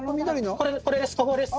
これです